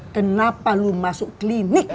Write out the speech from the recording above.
kenapa lo masuk klinik